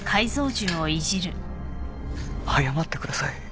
謝ってください。